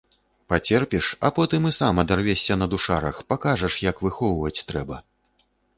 Пацерпіш, а потым і сам адарвешся на душарах, пакажаш, як выхоўваць трэба.